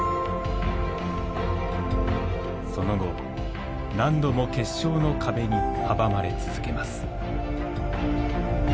その後何度も決勝の壁に阻まれ続けます。